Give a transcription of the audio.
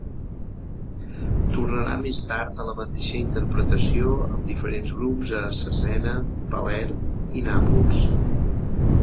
Tornarà més tard a la mateixa interpretació amb diferents grups a Cesena, Palerm i Nàpols.